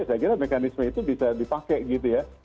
saya kira mekanisme itu bisa dipakai gitu ya